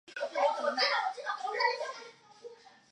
有子魏朝琮。